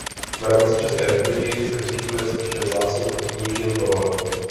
V rámci České republiky se vyskytuje spíše vzácně od nížin do hor.